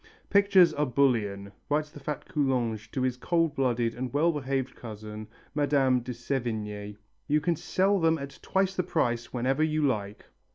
"Pictures are bullion," writes the fat Coulanges to his cold blooded and well behaved cousin, Mme. de Sévigné, "you can sell them at twice their price whenever you like."